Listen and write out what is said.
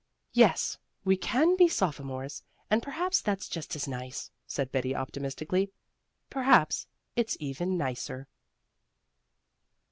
"Yes, we can be sophomores; and perhaps that's just as nice," said Betty optimistically. "Perhaps it's even nicer."